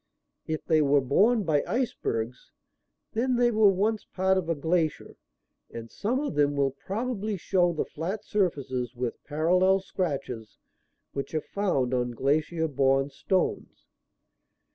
If they were borne by icebergs, then they were once part of a glacier and some of them will probably show the flat surfaces with parallel scratches which are found on glacier borne stones.